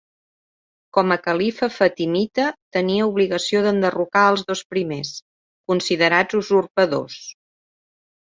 Com a califa fatimita tenia obligació d'enderrocar als dos primers, considerats usurpadors.